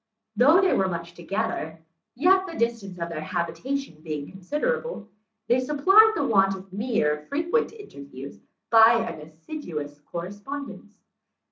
Though they were much together, yet, the distance of their habitation being considerable, they supplied the want of mere frequent interviews by an assiduous correspondence.